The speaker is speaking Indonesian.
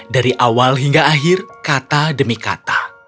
dari awal hingga akhir kata demi kata